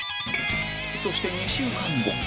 そして２週間後